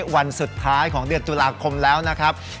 วันสุดท้ายของเดือนตุลาคมแล้วนะครับ